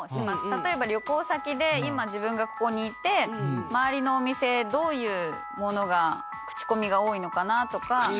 例えば旅行先で今自分がここにいて周りのお店どういうものが口コミが多いのかなとか。